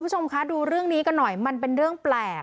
คุณผู้ชมคะดูเรื่องนี้กันหน่อยมันเป็นเรื่องแปลก